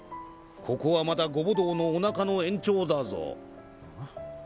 ここはまだご母堂のおなかの延長だぞ。